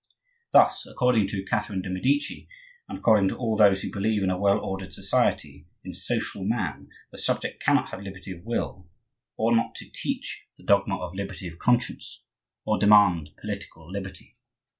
Thus, according to Catherine de' Medici and according to all those who believe in a well ordered society, in social man, the subject cannot have liberty of will, ought not to teach the dogma of liberty of conscience, or demand political liberty.